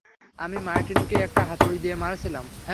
আমি মার্টিনকে একটা হাতুড়ি দিয়ে মারছিলাম।